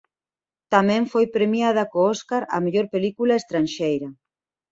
Tamén foi premiada co Óscar á mellor película estranxeira.